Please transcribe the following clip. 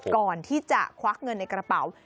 ก่อนที่จะควักเงินในกระเป๋า